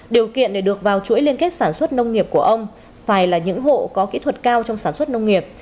điều kiện để được vào chuỗi liên kết sản xuất nông nghiệp của ông phải là những hộ có kỹ thuật cao trong sản xuất nông nghiệp